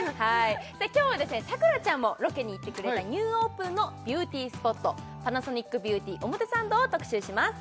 今日はサクラちゃんもロケに行ってくれたニューオープンのビューティースポットパナソニックビューティ表参道を特集します